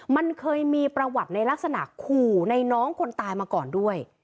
มันเคยมีประวัติในลักษณะขู่ในน้องคนตายมาก่อนด้วย